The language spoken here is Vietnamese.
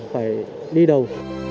phải đi đầu